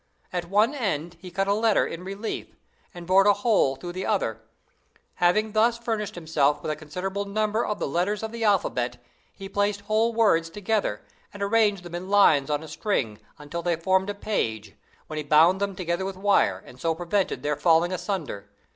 At one end he cut a letter in relief, and bored a hole through the other. After having thus furnished himself with a considerable number of the letters of the alphabet, he placed whole words together, and arranged them in lines on a string, until they formed a page, when he bound them together with wire, and so prevented their falling asunder.